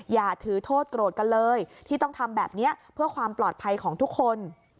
อย่าถือโทษโกรธกันเลยที่ต้องทำแบบนี้เพื่อความปลอดภัยของทุกคน